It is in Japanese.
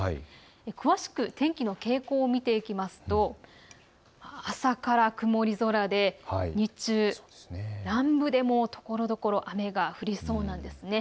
詳しく天気の傾向を見ていきますと朝から曇り空で日中、南部でもところどころ、雨が降りそうなんですね。